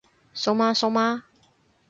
蘇媽蘇媽？